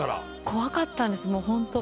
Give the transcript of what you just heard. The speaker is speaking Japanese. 怖かったんですもうホント。